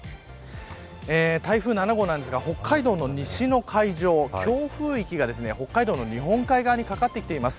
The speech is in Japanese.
台風７号ですが北海道の西の海上強風域が北海道の日本海側にかかってきています。